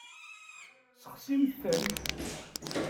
Sexsimt-ten.